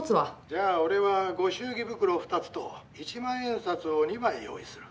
じゃあ俺はご祝儀袋ふたつと、一万円札を二枚用意する。